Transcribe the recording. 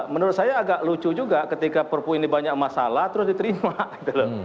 menurut saya agak lucu juga ketika perpu ini banyak masalah terus diterima gitu loh